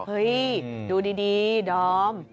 เฮ้ยดูดีดอม